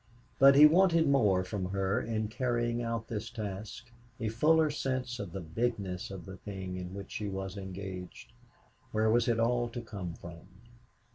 But he wanted more from her in carrying out this task a fuller sense of the bigness of the thing in which she was engaged. Where was it all to come from?